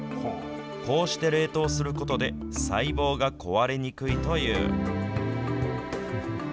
こうして冷凍することで、細胞が壊れにくいという。